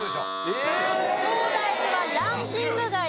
東大寺はランキング外です。